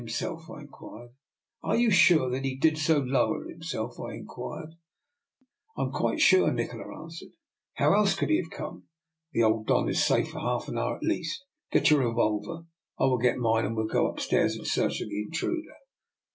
" Are you sure that he did so lower him self?" I inquired. " I am quite sure," Nikola answered. " How else could he have come? The old Don is safe for half an hour at least ; get your revolver, I will get mine, and we will go up stairs in search of the intruder."